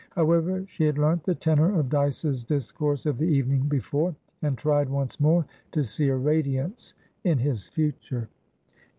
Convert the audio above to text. However, she had learnt the tenor of Dyce's discourse of the evening before, and tried once more to see a radiance in his future.